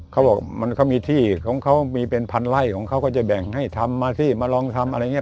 เขาบอกมันก็มีที่ของเขามีเป็นพันไร่ของเขาก็จะแบ่งให้ทำมาสิมาลองทำอะไรอย่างนี้